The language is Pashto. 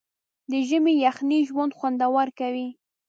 د ژمي یخنۍ ژوند خوندور کوي.